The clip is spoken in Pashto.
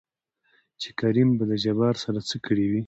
چې کريم به د جبار سره څه کړې وي؟